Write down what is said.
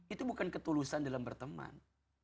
itu bukan ketulusan dalam berteman